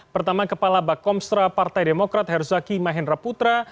pertama kepala bakomstra partai demokrat herzaki mahendra putra